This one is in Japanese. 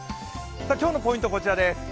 今日のポイント、こちらです。